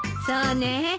そうね。